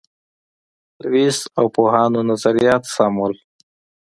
لویس او پوهانو نظریات سم وو.